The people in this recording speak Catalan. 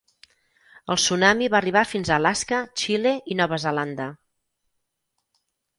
El tsunami va arribar fins a Alaska, Xile i Nova Zelanda.